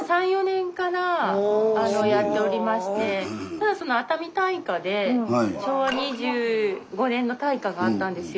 ただその熱海大火で昭和２５年の大火があったんですよ。